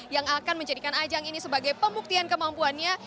yang akan menjadikan ajang ini sebagai pembuktian kemampuannya